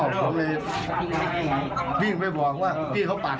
ผมเลยวิ่งไปบอกว่าพี่เขาปัด